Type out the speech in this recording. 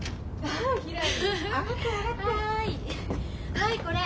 はいこれ。